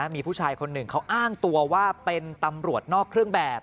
มีผู้ชายคนหนึ่งเขาอ้างตัวว่าเป็นตำรวจนอกเครื่องแบบ